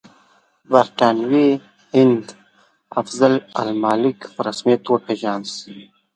برټانوي هند افضل الملک په رسمیت وپېژانده.